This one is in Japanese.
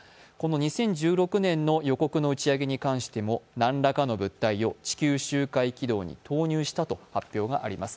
２０１６年の予告の初日に関しても何らかの物体を地球周回軌道に投入したと発表があります。